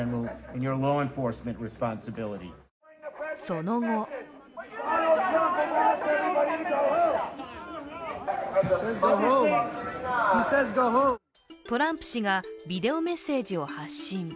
その後トランプ氏がビデオメッセージを発信。